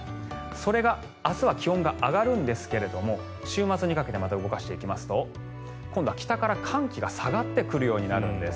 それが明日は気温が上がるんですが週末にかけてまた動かしていきますと今度は北から寒気が下がってくるようになるんです。